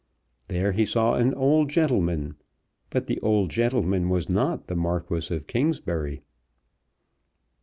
There he saw an old gentleman; but the old gentleman was not the Marquis of Kingsbury.